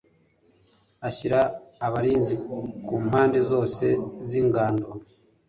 ashyira abarinzi ku mpande zose z'ingando